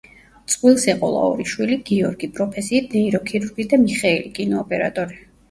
წყვილს ეყოლა ორი შვილი გიორგი, პროფესიით ნეიროქირურგი და მიხეილი, კინოოპერატორი.